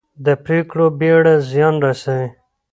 د پرېکړو بېړه زیان رسوي